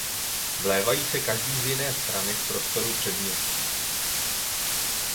Vlévají se každý z jiné strany v prostoru předměstí.